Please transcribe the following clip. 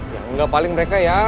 ya enggak paling mereka ya